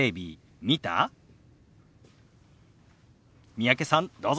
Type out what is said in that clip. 三宅さんどうぞ。